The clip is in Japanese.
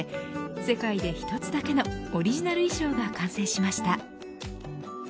世界で１つだけのオリジナル衣装が完成しました。